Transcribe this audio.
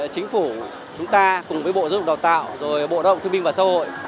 chính phủ chúng ta cùng với bộ dân dụng đào tạo bộ đào tạo thương minh và xã hội